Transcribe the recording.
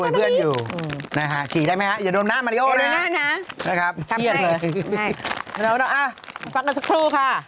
เป็นขอสัญลักษณ์